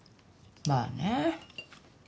まあね。